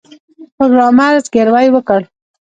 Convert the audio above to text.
پروګرامر زګیروی وکړ